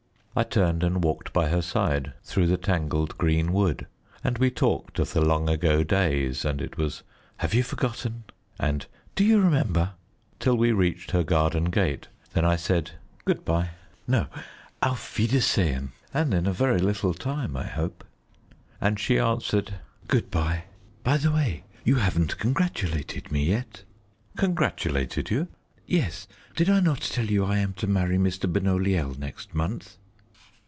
I turned and walked by her side, through the tangled green wood, and we talked of the long ago days, and it was, "Have you forgotten?" and "Do you remember?" till we reached her garden gate. Then I said "Good bye; no, auf wiedersehn, and in a very little time, I hope." And she answered "Good bye. By the way, you haven't congratulated me yet." "Congratulated you?" "Yes, did I not tell you I am to marry Mr. Benoliel next month?"